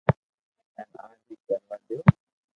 ھين آج ھي ڪروا ديو